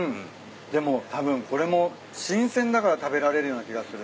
でもたぶんこれも新鮮だから食べられるような気がする。